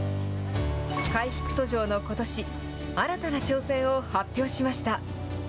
回復途上のことし、新たな挑戦を発表しました。